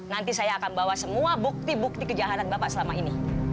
nanti saya akan bawa semua bukti bukti kejahatan bapak selama ini